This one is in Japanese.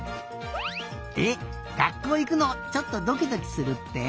えっ学校いくのちょっとドキドキするって？